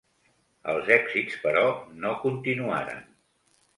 Els èxits però no continuaren.